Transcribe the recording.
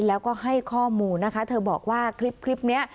แล้วก็ให้ข้อมูลนะคะเธอบอกว่าคลิปนี้